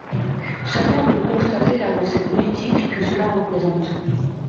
Chacun peut constater l’avancée politique que cela représente.